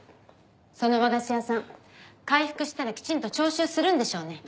その和菓子屋さん回復したらきちんと徴収するんでしょうね？